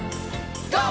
ＧＯ！